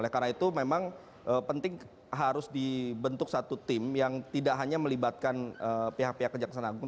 oleh karena itu memang penting harus dibentuk satu tim yang tidak hanya melibatkan pihak pihak kejaksaan agung